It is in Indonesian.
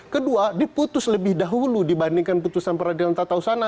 kedua diputus lebih dahulu dibandingkan putusan peradilan tata usahana